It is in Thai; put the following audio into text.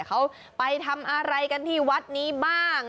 เขาไปทำอะไรกันที่วัดนี้บ้าง